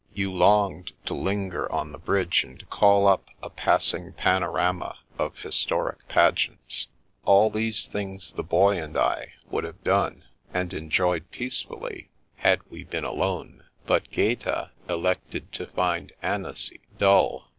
You longed to linger on the bridge and call up a passing panorama of historic pageants. All these things the Boy and I would have done, and enjoyed peacefully, had we been alone, but Gaeta elected to find Annecy " dull."